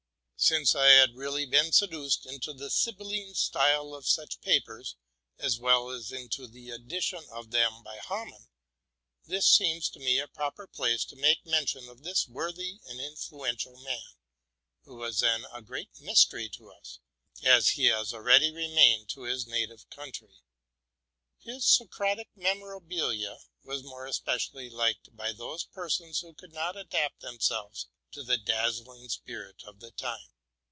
Since I had really been seduced into the sybilline style of such papers, as well as into the publication of them, by IIamann, this seems to me a proper place to make mention of this worthy and influential man, who was then as great a mystery to us as he has always remained to his native coun try. His '* Socratic Memorabilia '' was more especially liked by those persons who could not adapt themselves to the daz zling spirit of the time.